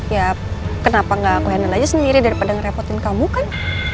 ya kenapa gak aku handle aja sendiri daripada ngerepotin kamu kan